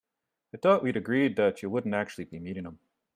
I thought we'd agreed that you wouldn't actually be meeting him?